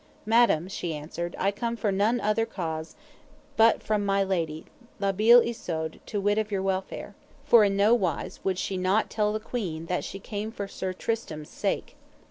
Madam, she answered, I come for none other cause but from my lady La Beale Isoud to wit of your welfare. For in no wise she would not tell the queen that she came for Sir Tristram's sake.